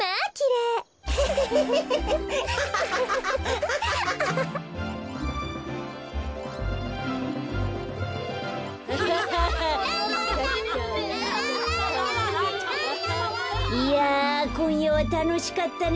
いやこんやはたのしかったね。